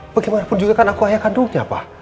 bagaimanapun juga kan aku ayah kandungnya pak